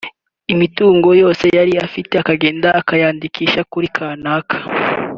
imitungo yose yari afite akagenda akayandikisha kuri kanaka